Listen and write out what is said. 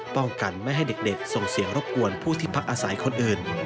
ป้องกันไม่ให้เด็กส่งเสียงรบกวนผู้ที่พักอาศัยคนอื่น